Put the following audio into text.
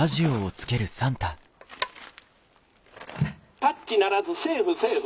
「タッチならずセーフセーフ」。